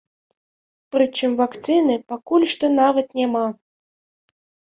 Прычым вакцыны пакуль што нават няма!